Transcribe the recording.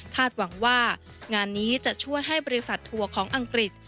หวังว่างานนี้จะช่วยให้บริษัททัวร์ของอังกฤษ